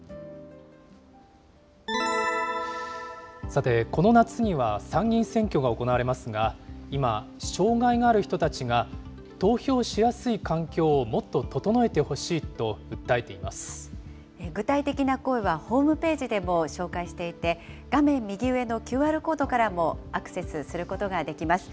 さて、この夏には参議院選挙が行われますが、今、障害がある人たちが投票しやすい環境をもっと整えてほしいと訴え具体的な声はホームページでも紹介していて、画面右上のＱＲコードからもアクセスすることができます。